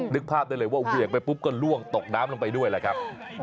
นึกภาพได้เลยว่าเหวี่ยงไปปุ๊บก็ล่วงตกน้ำลงไปด้วยแหละครับ